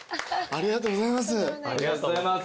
ありがとうございます。